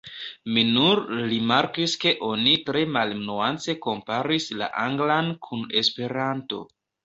Mi nur rimarkis ke oni tre malnuance komparis la anglan kun esperanto.